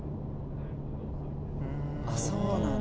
うんそうなんだ。